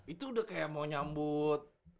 itu udah kayak mau nyambut